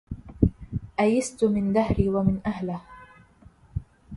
أيست من دهري ومن أهله